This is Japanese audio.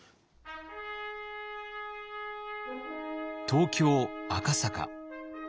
東京・赤坂。